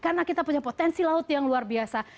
karena kita punya potensi laut yang luar biasa